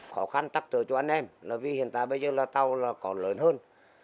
khó khăn tắc trở cho anh em vì hiện tại bây giờ là tàu còn lớn hơn